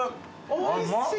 ・おいしい。